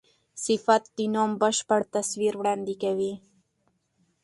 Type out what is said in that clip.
صفت د نوم بشپړ تصویر وړاندي کوي.